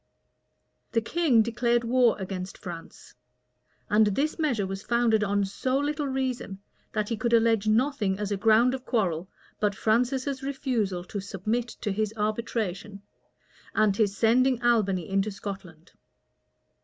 The king declared war against France; and this measure was founded on so little reason, that he could allege nothing as a ground of quarrel, but Francis's refusal to submit to his arbitration, and his sending Albany into Scotland.